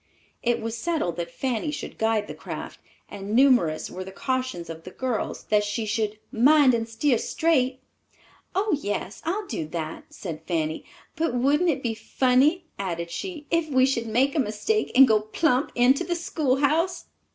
It was settled that Fanny should guide the craft, and numerous were the cautions of the girls that she should "mind and steer straight." "Oh, yes, I'll do that," said Fanny; "but wouldn't it be funny," added she, "if we should make a mistake and go plump into the schoolhouse!"